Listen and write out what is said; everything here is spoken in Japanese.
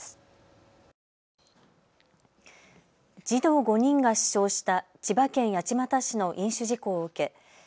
児童５人が死傷した千葉県八街市の飲酒事故を受け